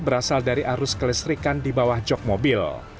berasal dari arus kelistrikan di bawah jok mobil